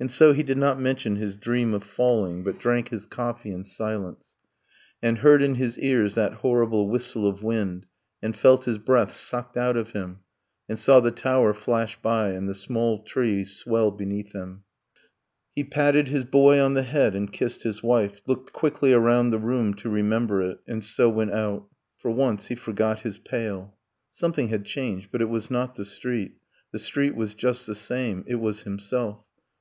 . And so he did not mention his dream of falling But drank his coffee in silence, and heard in his ears That horrible whistle of wind, and felt his breath Sucked out of him, and saw the tower flash by And the small tree swell beneath him ... He patted his boy on the head, and kissed his wife, Looked quickly around the room, to remember it, And so went out ... For once, he forgot his pail. Something had changed but it was not the street The street was just the same it was himself.